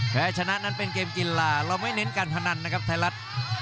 แพ้ชนะนั้นเป็นเกมกีฬาเราไม่เน้นการพนันนะครับไทยรัฐ